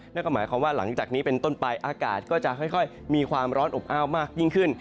นั่นก็หมายความว่าหลังจากนี้เป็นต้นไปอากาศก็จะค่อยมีความร้อนอบอ้าวมากยิ่งขึ้น